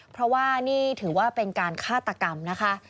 เพราะว่านี่ถือว่าเป็นการฆาตกรรมนะคะ